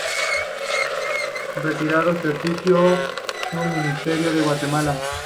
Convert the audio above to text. Retirado, ejerció su ministerio en Guatemala.